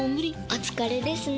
お疲れですね。